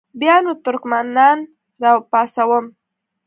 بیا نو ترکمنان را پاڅوم.